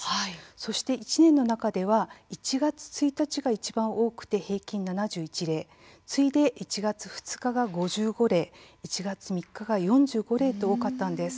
そして、１年の中では１月１日がいちばん多くて平均で７１例次いで１月２日が５５例１月３日が４５例と多かったんです。